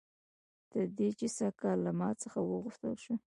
تر دې چې سږ کال له ما څخه وغوښتل شول